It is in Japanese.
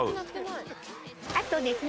あとですね